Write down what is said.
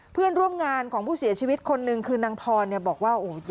เพื่อนร่วมงานของผู้เสียชีวิตคนนึงคือนางพรบอกว่า